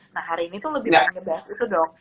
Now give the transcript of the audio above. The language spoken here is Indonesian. nah hari ini tuh lebih pengen ngebahas itu dok